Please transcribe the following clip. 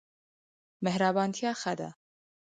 مهربانتیا ښه ده.